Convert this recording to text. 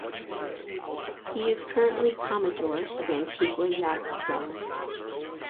He is currently Commodore of Antigua Yacht Club.